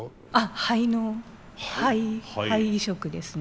肺の肺肺移植ですね。